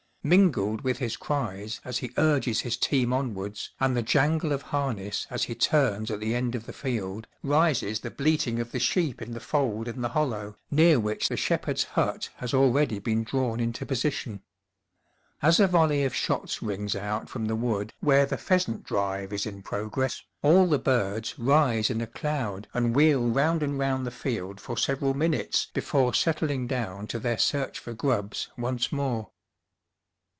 Mingled with his cries as he urges his team onwards, and the jangle of harness as he turns at the end of the field, rises the bleating of the sheep in the fold in the hollow near which the shepherd's hut has already been drawn into position. As a volley of shots rings out from the wood where the pheasant drive is in progress, all the birds rise in a cloud and wheel round and round the field for several minutes before settling down to their search for grubs once more.